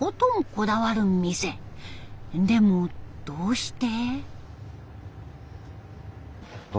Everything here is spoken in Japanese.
でもどうして？